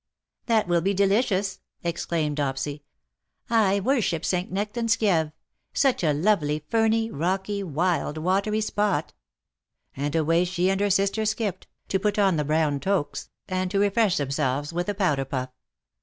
^'" That will be delicious !" exclaimed Dopsy. ^^ I worship St. Nectan^s Kieve. Such a lovely ferny, rocky, wild, watery spot.^' And away she and her sister skipped, to put on the brown toques, and to refresh themselves with a powder puff.